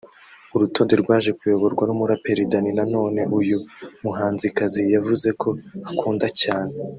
urutonde rwaje kuyoborwa n’umuraperi Dany Nanone uyu muhanzikazi yavuze ko akunda cyane